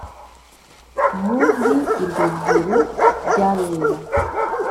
muri iryo juru ry'abera